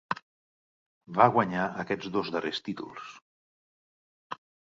Va guanyar aquests dos darrers títols.